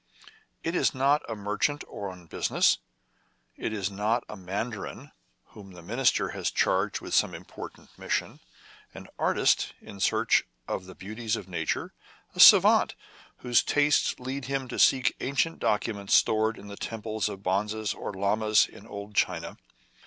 It is not a merchant on business ; it is not a mandarin whom the minister has charged with some important mission, an artist in search of the beauties of nature, a savant whose tastes lead him to seek ancient documents stored in the tem ples of bonzes or llamas in old China.